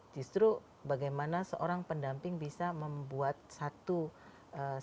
justru bagaimana seorang pendamping bisa membuat satu semangat